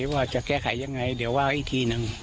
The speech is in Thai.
ว่าจะแก้ไขยังไงเดี๋ยวว่าอีกทีหนึ่ง